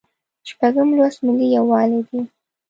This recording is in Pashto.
شپږم لوست ملي یووالی دی.